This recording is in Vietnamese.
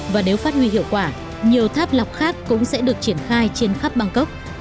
và nếu phát huy hiệu quả nhiều tháp lọc khác cũng sẽ được triển khai trên khắp bangkok